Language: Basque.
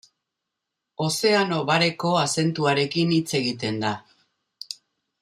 Ozeano Bareko azentuarekin hitz egiten da.